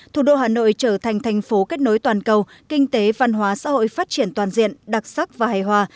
thủ đô hà nội trở thành thành phố kết nối toàn cầu kinh tế văn hóa xã hội phát triển toàn diện đặc sắc và hài hòa